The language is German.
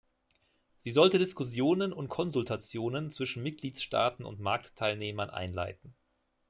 Sie sollte Diskussionen und Konsultationen zwischen Mitgliedstaaten und Marktteilnehmern einleiten.